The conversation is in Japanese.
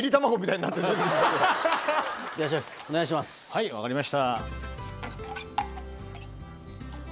はい分かりました。